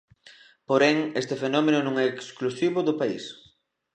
Porén, este fenómeno non é exclusivo do país.